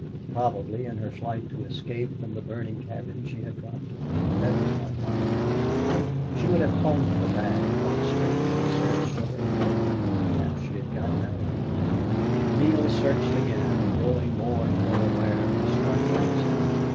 Probably in her flight to escape from the burning cabin she had dropped it. But that was not like Allie: she would have clung to the bag while strength and sense were hers. Perhaps she had not gotten out of the cabin. Neale searched again, growing more and more aware of the strife outside.